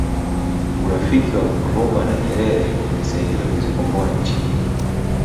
urafiki wa nkrumah na nyerere ulisaidia kuzikomboa nchi nyingi